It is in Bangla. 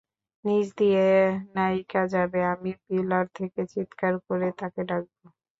নিচ দিয়ে নায়িকা যাবে, আমি পিলার থেকে চিৎকার করে তাকে ডাকব।